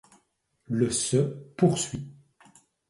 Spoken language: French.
Le se poursuit.